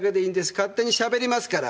勝手にしゃべりますから。